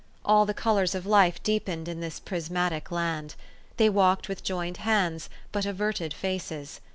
All the colors of life deepened in this prismatic land. They walked with joined hands, but averted faces.